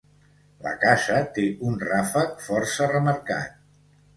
La casa té un ràfec força remarcat.